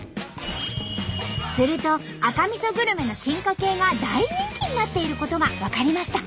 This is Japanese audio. すると赤みそグルメの進化系が大人気になっていることが分かりました。